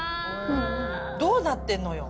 どうなってんのよ？